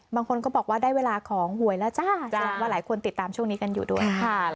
บางคนก็บอกว่าได้เวลาของหวยแล้วจ้าว่าหลายคนติดตามช่วงนี้กันอยู่ด้วยค่ะ